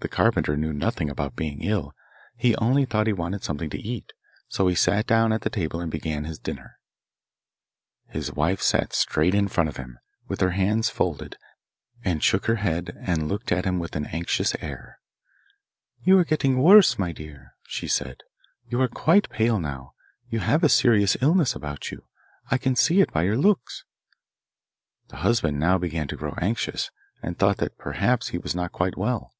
The carpenter knew nothing about being ill; he only thought that he wanted something to eat, so he sat down at the table and began his dinner. His wife sat straight in front of him, with her hands folded, and shook her head, and looked at him with an anxious air. 'You are getting worse, my dear,' she said; 'you are quite pale now; you have a serious illness about you; I can see it by your looks.' The husband now began to grow anxious, and thought that perhaps he was not quite well.